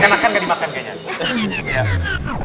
saya makan nggak dimakan kayaknya